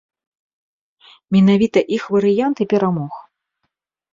Менавіта іх варыянт і перамог.